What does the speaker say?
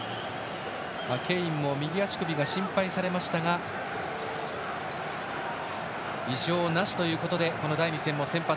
ケインも右足首が心配されましたが異常なしということでこの第２戦も先発。